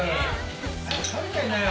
早く食べちゃいなよ。